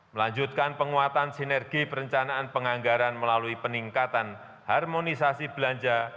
melanjutkan penguatan sinergi perencanaan penganggaran melalui peningkatan harmonisasi belanja